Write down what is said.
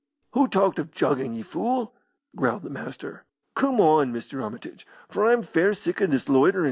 "Who talked of juggin', ye fool?" growled the Master. "Coom on, Mr. Armitage, for I'm fair sick o' this loiterin'."